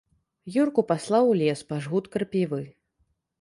Юрку паслаў у лес па жгут крапівы.